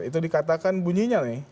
itu dikatakan bunyinya nih